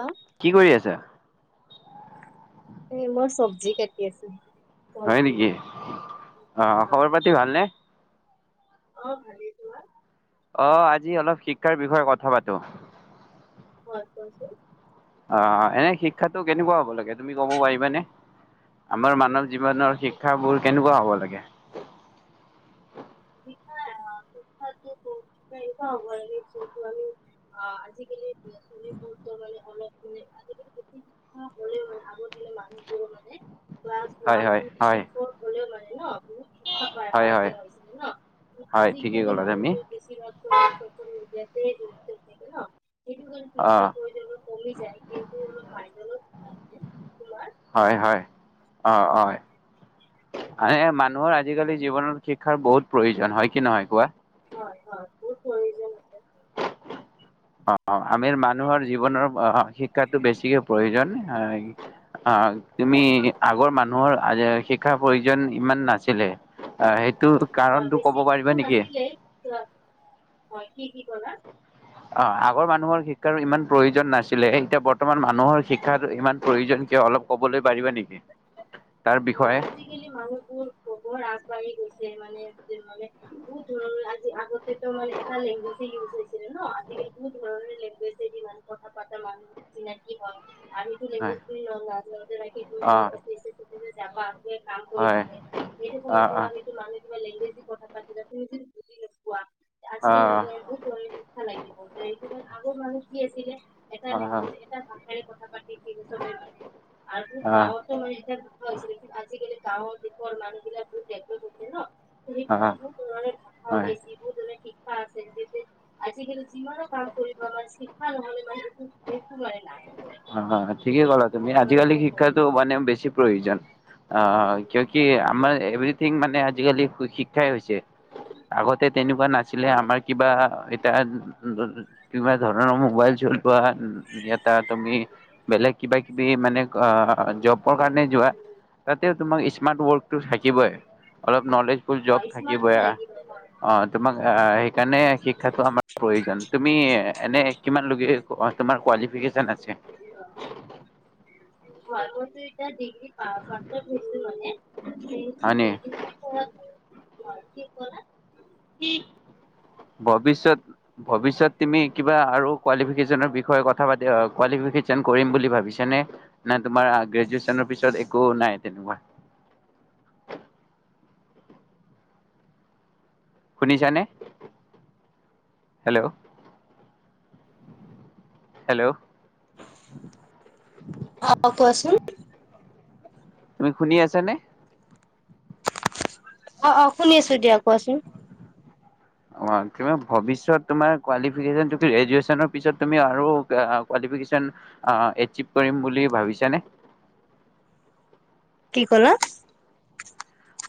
অ কি কৰি আছা। এ মই চব্জি কাটি আছো। ফল হয় ফুল নেকি অ খবৰ হয়। পাতি ভালনে অ ভালেই তোমাৰ। অ আজি অলপ শিক্ষাৰ বিষয়ে কথা পাতো হয় কছে। অ এনে শিক্ষাতো কেনেকুৱা হব লাগে তুমি কব পাৰিবানে আমাৰ মানৱ জীৱনৰ কোৱাচোন শিক্ষাবোৰ কেনেকুৱা হব লাগে শিক্ষা শিক্ষা শিকিক হব যিহেতু আমি আজিকালি প মে অলপ মান হয় ৱান হয় টু হয় থ্ৰী ফৰ [unintelligible] ন বহুত শঠা হয় হয় হয় ঠিকেই ক'লা তুমি [unintelligible] উ অহ প্ৰয়োজনো কমি যায় কিন্তু অলপ মাইণ্ডত আছে তোমাৰ হয় হয় অহ অ মান মানুহৰ আজিকালি জীৱনত শিক্ষাৰ বহুত প্ৰয়োজন হয় কি নহয় কোৱা। হয় হয় [unintelligible] অ আমিৰ মানুহৰ জীৱনৰ শিক্ষাটো বেছিকে প্ৰয়োজন তুমি আগৰ মানুহৰ শিক্ষাৰ প্ৰয়োজন ইমান নাছিলে। আহ সেইটো হয় কাৰণটো বেছি ক'ব পাৰিবা শিশু নেকি নাছিলে হয় কি কি কৰা অ আগৰ মানুহৰ শিক্ষাৰো ইমান প্ৰয়োজন নাছিলে এতিয়া বৰ্তমান মানুহৰ শিক্ষাৰ ইমান প্ৰয়োজন কিয় অলপ কবলৈ পাৰিবা নেকি তাৰ হয় বিষয়ে আজিকালি মানুহবোৰ বহুত আগবাঢ়ি গৈছে যে মানে ‌যে মানে বহুত ধৰণৰ আজি আগত সেইটো মানে এটা লেংগুৱেজ ইউজ হৈছে। ন আজিকালি কোনো ধৰণৰ লেংগুৱেজ দি ইমান কথা পাতে মানুহ চিনাকি হয় আৰু এইটো হয় লেংগুৱেজ কি অ নফি [unintelligible] যাবা হয় অ অ কিবা লেংগুৱেজ কথা পাতিলে তুমি যদি বুজি নোপোৱা। আজিকালি ল এক কৰি থ লাগিব আগৰ মানুহ কি আছিলে। এটা অ অ লেংগুৱেজ এটা ভাষাৰে কথা আৰু গাঁৱতো মানে পাইছিলে কিন্তু আজিকালি গাঁৱৰ দেশৰ মানুহবিলাকটো ডেপলব হৈছে। ন অ অ সেইটো বহুত ধৰণেৰে ভাষা হয় ওলাইছিল বহুত ধৰণেৰে শিক্ষা শিক্ষা আছিল আজিকালি যিমানো কাম কৰিবা বা শিক্ষা নহলে বা একো নাই। হয় ঠিকেই প্ৰযোজন কিউকি আমাৰ এভ্ৰিৰথিং মানে আজিকালি শিক্ষাই হৈছে। আগতে তেনেকুৱা নাছিলে আমাৰ কিবা তাত কিবা ধৰণৰ মোবাইল চলোৱা তাত তুমি বেলেগ কিবা কিবি মানে জবৰ কাৰণে যোৱা তাতে তোমাক স্মাৰ্ট ৱৰ্কটো থাকিবই অলপ নলেজবুল জব থাকিবই অ তোমাক সেইকাৰণে শিক্ষাটো আমাৰ প্ৰয়োজন তুমি এনে কিমান লৈকে তোমাৰ কোৱালিফেকেচন আছে আগতে এতিয়া দিগ ভ মান হয় নি? [unintelligible] কি কলা ভৱিষ্যত ভৱিষ্যত তুমি কিবা আৰু ‌কোৱালিফেকেচনৰ বিষয়ে কথাপাতি কোৱালিফেকেচন কৰিম বুলি ভাবিছানে নে তোমাৰ গ্ৰেজেচুৱেনৰ পিছত একো নাই তেনেকুৱা শুনিছানে হেল্ল' হেল্ল' অ কোৱাচোন তুমি শুনি আছা নে অ অ শুনি আছো দিয়া কোৱাচোন অ তোমাৰ ভৱিষ্যত তোমাৰ কোৱালিফেকেচন তুমি গ্ৰেজেচুৱেনৰ পিছত তুমি আৰু কোৱালিফেকেচন অ এচিপ কৰিম বুলি ভাবিছা নে। কি ক'লা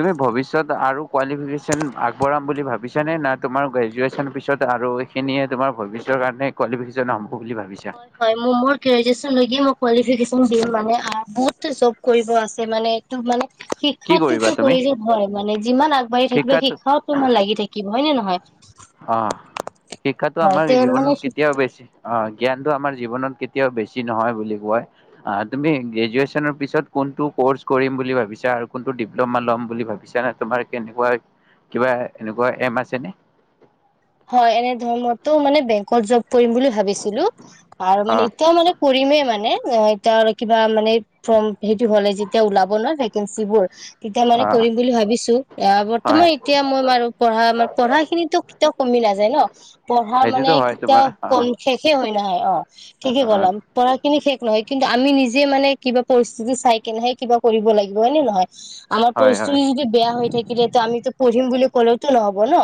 তুমি ভৱিষ্যত আৰু কোৱালিফিকেচন আগবঢ়াম বুলি ভাবিছানে না তোমাৰ গ্ৰেজুৱেচন পিছত আৰু সেইখিনিয়ে তোমাৰ ভৱিষ্যত কোৱালিফিকেচন হব- বুলি ভাবিছা? হয় হয় মোৰ গ্ৰেজুৱেচন লৈকে মোৰ কোৱালিফিকেচন [unintelligible] বুত চব কৰিব আছে। মানে এই টো মানে কি কৰিবা শিক্ষাটোতো তুমি? প্ৰয়োজন হয় মানে যিমান আগ শিক্ষাটো [unintelligible] তোমাৰ লাগি থাকিম হয় নে নহয়? অ শিক্ষাটো হয় আমাৰ তে মানে জীৱনত কেতিয়াও বেছি অ জ্ঞানটো আমাৰ জীৱনত কেতিয়াও বেছি নহয় বুলি কয়, অ তুমি গ্ৰেজুৱেচনৰ পিছত কোনটো কৰ্চ কৰিম বুলি ভাবিছা আৰু কোনটো ডিপ্ল'মা ল'ম বুলি ভাবিছা নে তোমাৰ কেনেকুৱা কিবা এনেকুৱা এম আছে নেকি? হয়। এনে [unintelligible] মানে বেংকত জব কৰিম বুলি ভাবিছিলো আৰু মানে অ', এতিয়া মানে কৰিমে মানে অ এতিয়া কিবা মানে ফৰ্ম সেইটো হলে যেতিয়া ওলাব নহয় ভেকেঞ্চিবোৰ তেতিয়া মানে অ', কৰিম বুলি ভাবিছো। আহ হয় বৰ্তমান এতিয়া মই আৰু পঢ়া পঢ়া খিনিতো তেয়াও কমি নাযায় ন? পঢ়া মানে সেইটোতো হয় তোমাৰ কেতিয়াও কম অ', শেষে হয় ন নাই অ। ঠিকেই কলা পঢ়াখিনি শেষ নহয় কিন্তু আমি নিজে মানে কিবা পৰিস্থিতি চাই কেনেহে কিবা কৰিব লাগিব হয়নে নহয়? আাৰ হয়, পৰিস্থিতি হয়, যদি বেয়া হৈ থাকিলে ত আমিতো পঢ়িম বুলি ক'লেওতো নহ'ব ন?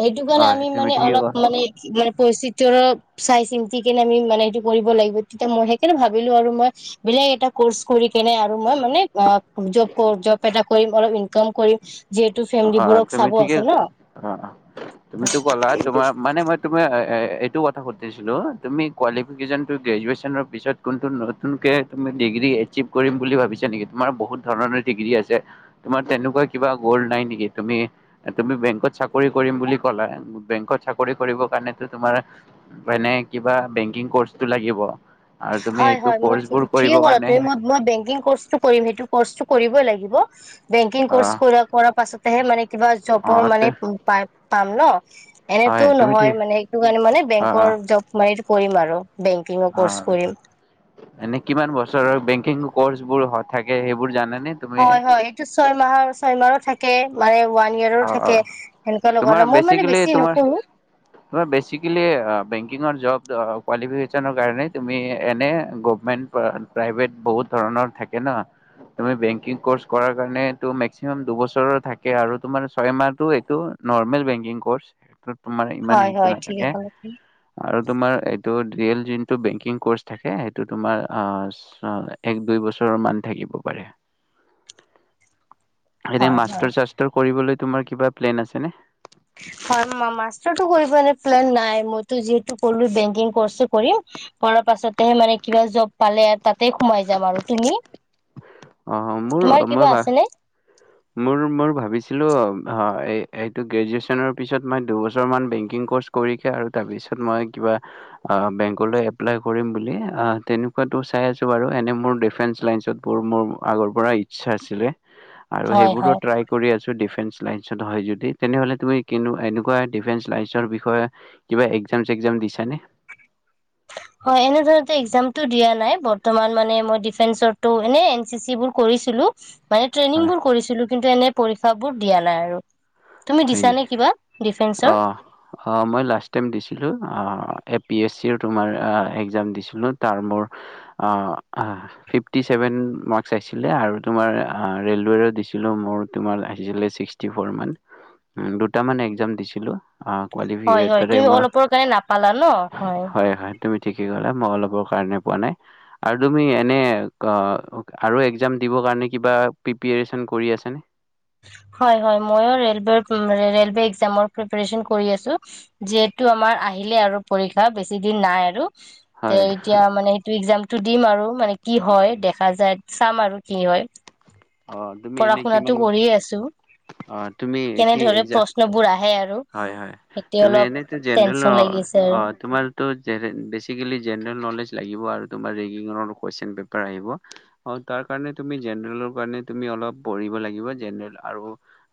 সেইটো কাৰণে হয় আমি তুমি মানে ঠিকে অলপ মানে [unintelligible] পৰিস্থিতি অলপ চাই চিন্তি কেনে আমি মানে সেইটো কৰিব লাগিব, তেতিয়া মই সেইকাৰণে ভাবিলো আৰু মই বেলেগ এটা কৰ্চ কৰি কেনে আৰু মই মানে অ জব কৰোঁ। জব এটা কৰিম। অলপ ইনকাম কৰিম। যিহেতু অ', ফেমলীবোৰক তুমি চাব ঠিকে আছে ন। অ', তুমিতো কলা তোমাৰ মানে মই তুমি এ এইতো [unintelligible] কথা সুধিছিলোঁ তুমি কোৱালিফিকেচন টো গ্ৰেজুৱেচনৰ পিছত কোনটো নতুন কে তুমি ডিগ্ৰী এচিভ কৰিম বুলি ভাবিছা নেকি? তোমাৰ বহুত ধৰণৰ ডিগ্ৰী আছে। তোমাৰ তেনেকুৱা কিবা গ'ল নাই নেকি তুমি তুমি বেংকত চাকৰি কৰিম বুলি কলা। বেংকত চাকৰি কৰিব কাৰনেটো তোমাৰ মানে কিবা বেংকিং কোৰ্চ টো লাগিব। আৰু তুমি হয় এইটো হয়, ম কৰ্চবোৰ ঠিকে কৰিবৰ কলা কাৰণে তুমি, ম-মই বেংকিং কোৰ্চ টো কৰিম সেইটো কোৰ্চটো কৰিবই লাগিব। [inaudible] বেংকিং অ কোৰ্চ কৰা কৰাৰ পাছতেহে মানে কিবা অ জবৰ মানে পায়। পাম ন? এনেতো হয় তুমি নহয় ঠিক মানে সেইটো কাৰণে মানে অ বেংকৰ জব [unintelligible] কৰিম আৰু। বেংকিঙৰ ক'ৰ্চ অ কৰিম। এনে কিমান বছৰৰ বেংকিং কৰ্চ বোৰ হয় থাকে সেইবোৰ জানা হয় হয় এইটো ছয়মাহৰ ছয়মাহৰ থাকে কে মানে ওৱান ইয়াৰৰো অ অ থাকে সেনেকুৱা তোমাৰ লগা মই মানে বেছিকেলি বেছি তোমাৰ নকৰো বেছিকেলি বেংকিঙৰ জব ত কোৱালিফিকেচনৰ কাৰণে তুমি এনে গভমেন্ট প্ৰাইভেট বহুত ধৰণৰ থাকে ন, তো বেংকিং কৰ্চ কৰাৰ কাৰণে মেক্সিমাম দুবছৰৰ থাকে আৰু তোমাৰ ছয় মাহটো এইটো নৰ্মেল বেংকিং কৰ্চ। তোমাৰ ইমান হয় সেইটো হয় ঠিকে নাথাকে ক'লে তুমি আৰু তোমাৰ এইটোত ৰিয়েল যিটো বেংকিং ক'চ থাকে সেইটো তোমাৰ আ ছ এক দুবছৰ মান থাকিব পাৰে। এনে হয় হয় মাষ্টৰ চাষ্টৰ কৰিবলৈ কিবা প্লেন আছে নে? হয় মাষ্টৰ উম কৰিবলৈ প্লেন নাই মোৰ যিটো কলো বেংকিং ক'চটো কৰিম অলপ পাছতে মানে কিবা জব পালে তাতে সোমাই যাম আৰু। তুমি? অ মোৰ তোমাৰ কিবা মই বা আছেনে মোৰ মই ভাবিছিলো। অ এই এইটো গ্ৰেজুৱেচনৰ পিছত মই দুবছৰমান বেংকিং ক'ৰ্ছ কৰি কে আৰু তাৰপিছত মই কিবা বেংকলৈ এপ্লাই কৰিম বুলি, তেনেকোৱাটো চাই আছোঁ বাৰু এনেই মোৰ ডিফেন্স লাইনচতোত মোৰ আগৰ পৰা ইচ্ছা আছিলে। আৰু হয় সেইবোৰো হয় ট্ৰাই কৰি আছো ডিফেন্স। টো হয় যদি তেনেহলে তুমি এনেকোৱা ডিফেন্স লাইনচৰ বিষয়ে কিবা একজাম চেকজাম দিছনে হয় এনেধৰণটো একজামটো দিয়া নাই বৰ্তমান মানে মই ডিফেন্সটো এনে এন চি চিবোৰ কৰিছিলো। মানে ট্ৰেইনিং হয় বোৰ কৰিছিলো। কিন্তু এনে পৰীক্ষাবোৰ দিয়া নাই আৰু। তুমি হয় দিছানে নেকি? কিবা ডিফেন্সৰ অ অ মই লাষ্ট টাইম দিছিলো অ। এ পি এছ চিৰ তোমাৰ একজাম দিছিলোঁ তাৰ মোৰ ফিফটি চেভেন মাৰ্কছ আহিছিলে আৰু তোমাৰ ৰে'লৱেৰো দিছিলোঁ মোৰ তোমাৰ আহিছিলে ছিক্সটি ফো'ৰ মান। দুটামান একজাম দিছিলো। হয় হয় তুমি অলপৰ কাৰণে নাপালা ন? হয়। তুমি ঠিকেই কলা মই অলপৰ কাৰণে পোৱা নাই আৰু তুমি এনেই আৰু একজাম দিবৰ কাৰণে কিবা প্ৰিপিয়েৰচন কৰি আছানে? হয় হয় ময়ো ৰেলৱে ৰেলৱে একজামৰ প্ৰিপিৰেচন কৰি আছো যিহেতু আমাৰ আহিলেই আৰু পৰীক্ষা বেছি দিন নাই আৰু। তে হয় এতিয়া মানে সেইটো একজামটো দিম আৰু মানে। কি হয় দেখা যায় চাম আৰু কি হয়। অ তুমি এনে কিমান? পঢ়ি আছো অ', তুমি কেনে কি দৰে এক্সাম প্ৰশ্নবোৰ আহে আৰু। হয় হয় এতিয়া তুমি অলপ এনেইতো জেনেৰেল টেনচন লাগি আছে অ আৰু তোমাৰটো বেচিকেলি জেনেৰেল নলেজ লাগিব। লাগিব আৰু তোমাৰ যোনকেইখন কোৱেচন পেপাৰ আহিব তাৰ কাৰণে তুমি জেনেৰেলৰ কাৰণে তুমি অলপ পঢ়িব লাগিব আৰু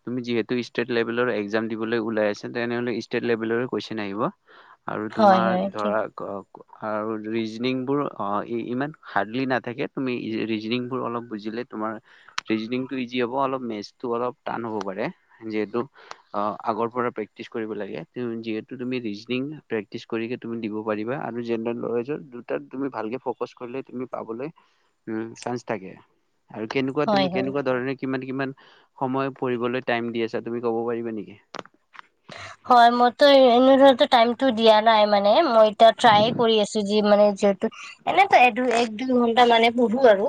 তুমি যিহেতু ষ্টেট লেবেলৰ একজাম দিবলে ওলাইছা তেনেহলে ষ্টেট লেবেলৰে কোৱেচন আহিব। আৰু হয় তোমাৰ হয় ঠিক ধৰা। আৰু ৰিজনিংবোৰ ইমান হাৰ্ডলি নাথাকে তুমি ৰিজনিংবোৰ অলপ বুজিলে তোমাৰ ৰিজনিংটো ইজি হ'ব অলপ মেথছটো অলপ টান হ'ব পাৰে যিহেতু আগৰ পৰা প্ৰেক্টিচ কৰিব লাগে যিহেতু তুমি ৰিজনিং প্ৰেক্টিচ কৰিকে তুমি দিব পাৰিবা আৰু জেনেৰেল নলেজৰ দুটাত তুমি ভালকে ফ'কাচ কৰিলে তুমি পাবলৈ চানছ থাকে। আৰু কেনেকুৱা হয় তুমি হয় কেনেকুৱা ধৰণে কিমান? কিমান সময় পঢ়িবলৈ টাইম দি আছা তুমি কব পাৰিবা নেকি? হয় মইতো এনে ধৰ টাইমটো দিয়া নাই মানে মই এতিয়া ট্ৰাই কৰি আছোঁ। যি মানে যিহেতু এনেটো দুই এক দুই ঘণ্টা মানে পঢ়ো আৰু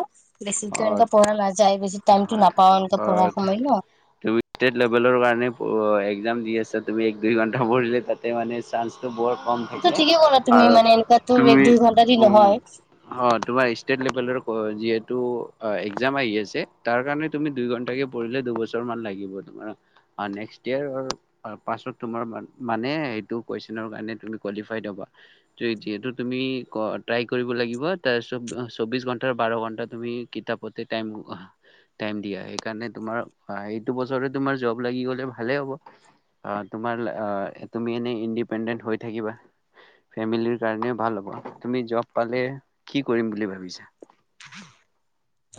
অ বেছিতো এনেকা পঢ়া নাযায় বেছি টাইমটো হয় নাপাও এনেকা পঢ়া সময় ন দুয়োটা লেবেলৰ কাৰণে একজাম দি আছা তুমি এক দুই ঘণ্টা পঢ়িলে তাতে মানে। চানচটো বৰ হয় কম হয় এইটোতো থাকে ঠিকে ক'লা তুমি আৰু মানে এনেকুৱাতো এক তুমি দুই ঘন্টা দি নহয় হয় তোমাৰ ষ্টেট লেভেলৰ হয় যিহেতু একজাম আহি আছে তাৰ কাৰণে তুমি দুই ঘণ্টাকে পঢ়িলে দুবছৰমান লাগিব। তোমাৰ নেক্সট ইয়েৰ পাছত তোমাৰ মানে সেইটো কুৱেশনৰ কাৰণে তুমি কোৱালিফাইড হ'বা যিহেতু তুমি ট্ৰাই কৰিব লাগিব, তাৰ চৌ চৌবিশ ঘণ্টা বাৰ ঘণ্টা। তুমি কিতাপতে টাইম টাইম দিয়া সেইকাৰণে তোমাৰ এইটো বছৰ তোমাৰ জব লাগি গ'লে ভালে হ'ব। তোমাৰ আ তুমি এনে ইণ্ডিপেডেন্ট হৈ থাকিবা। ফেমিলিৰ কাৰণেও ভাল হব। তুমি জব পালে কি কৰিম বুলি ভাবিছা?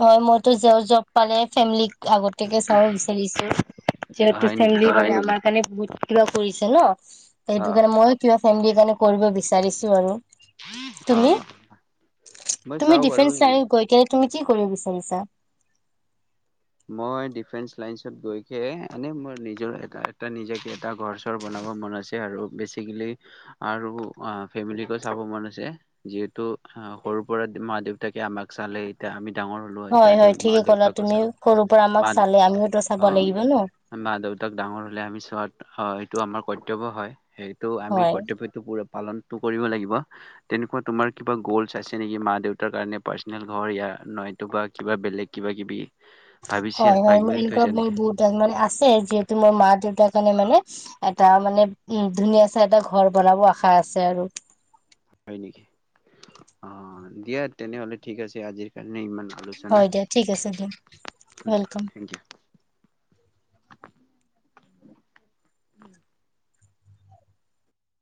হয় মইতো জ জব পালে ফেমেলীক আগতীয়াকে চাব বিচাৰিছো যিহেতু হয় নেকি? ফেমেলি কৰে আমাক মানে বহুত কিবা কৰিছে ন সেইটো কাৰণে মইয়ো কিবা ফেমিলীৰ কাৰণে কৰিব বিচাৰিছোঁ আৰু। তুমি অ'। মই তুমি চাওঁ বাৰু ডিফেন্স লাইন গৈ কিনে কি কৰিব বিচাৰিছা। মই ডিফেন্স লাইনত গৈকে এনে মোৰ নিজৰ এ নিজে এটা ঘৰ চৰ বনাব মন আছে আৰু বেচিকেলি আৰু ফেমিলো চাব মন আছে যিহেতু সৰুৰ পৰা মা দেউতাকে আমাক চালে এতিয়া আমি ডাঙৰ হ'লো হয় এতিয়া দেউ হয় মা ঠিকে ক'লা দেউতাকো তুমি চাম সৰুৰ পৰা আমাক বা দে চালে আমিওতো চাব অ লাগিব ন মা দেউতাক ডাঙৰ হ'লে আমি চোৱাত হয় টো আমাৰ কৰ্তব্য হয় সেই। তো আমি হয় কৰ্তব্যটো পোৰা পালনটো কৰিব লাগিব তেনেকুৱা তোমাৰ কিবা গ'লছ আছে নেকি মা দেউতাৰ কাৰণে পাৰ্চনেল ঘৰ ইয়াৰ নয়তো বা কিবা বেলেগ কিবা কিবি ভাবিছে হয় হয় ম ভাবি এনেকুৱা থৈছা মোৰ নেকি বহুত মানে আছে যিহেতু মোৰ মা দেউতাক কানে মানে এটা মানে উম ধুনীয়া চে এটা ঘৰ বনাব আশা আছে আৰু হয় নেকি অ দিয়া তেনেহলে ঠিক আছে আজিৰ কাৰণে ইমান। আলোচনা হয় দিয়া ঠিক আছে দিয়া দিয়া ওৱেলকাম। Thank U